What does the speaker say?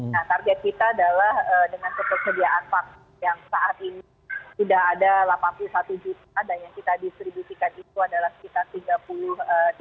nah target kita adalah dengan ketersediaan vaksin yang saat ini sudah ada delapan puluh satu juta dan yang kita distribusikan itu adalah sekitar tiga puluh juta